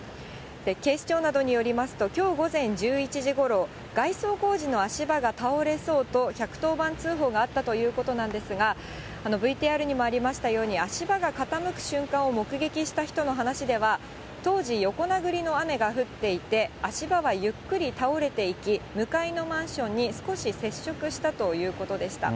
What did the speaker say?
警視庁などによりますと、きょう午前１１時ごろ、外装工事の足場が倒れそうと１１０番通報があったということなんですが、ＶＴＲにもありましたように、足場が傾く瞬間を目撃した人の話では、当時、横殴りの雨が降っていて、足場はゆっくり倒れていき、向かいのマンションに少し接触したということでした。